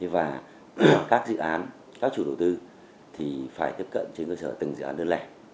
và các dự án các chủ đầu tư thì phải tiếp cận trên cơ sở từng dự án đơn lẻ